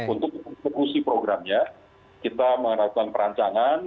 untuk kursi programnya kita mengenalkan perancangan